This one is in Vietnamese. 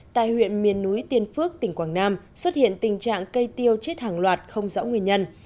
tại huyện miền núi tiên phước tỉnh quảng nam xuất hiện tình trạng cây tiêu chết hàng loạt không rõ nguyên nhân